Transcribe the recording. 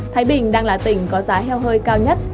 thái bình đang là tỉnh có giá heo hơi cao nhất